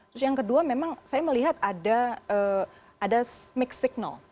terus yang kedua memang saya melihat ada mix signal